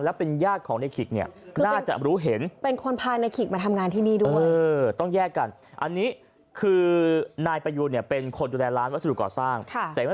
แต่อย่างนั้นสักครู่นั้นเป็นเจ้าของร้านอาหาร